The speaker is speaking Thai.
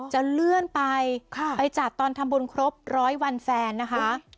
จะเลื่อนไปไปจัดตอนทำบุญครบร้อยวันแฟนนะคะ